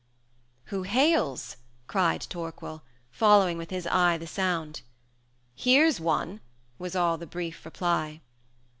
"Who hails?" cried Torquil, following with his eye The sound. "Here's one," was all the brief reply.